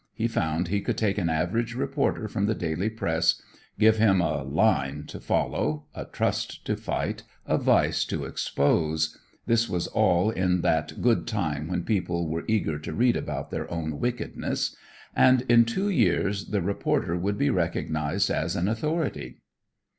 He found he could take an average reporter from the daily press, give him a "line" to follow, a trust to fight, a vice to expose, this was all in that good time when people were eager to read about their own wickedness, and in two years the reporter would be recognized as an authority.